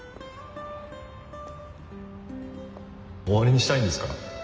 終わりにしたいんですか？